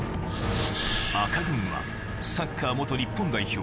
赤軍はサッカー日本代表